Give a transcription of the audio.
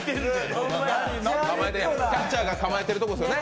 キャッチャーが構えてるとこですよね？